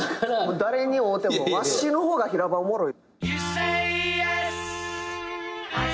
誰に会うてもわしの方が平場おもろい。